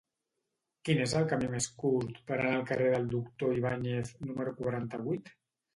Quin és el camí més curt per anar al carrer del Doctor Ibáñez número quaranta-vuit?